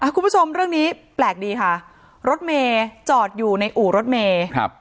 คุณผู้ชมเรื่องนี้แปลกดีค่ะรถเมย์จอดอยู่ในอู่รถเมย์ครับ